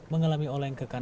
mengalami oleng ke kanan